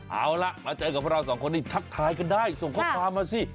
เอาล่ะมาเจอกับพวกเราสองคนนี้ทักทายกันได้ส่งข้อความมาสิ